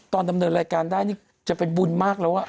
ดำเนินรายการได้นี่จะเป็นบุญมากแล้ว